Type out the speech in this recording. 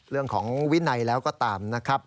เรื่องของวินัยแล้วก็ตามนะครับ